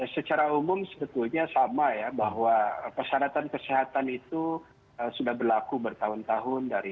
secara umum sebetulnya sama ya bahwa persyaratan kesehatan itu sudah berlaku bertahun tahun